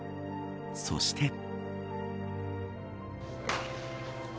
そして。